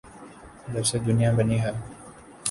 جب سے دنیا بنی ہے۔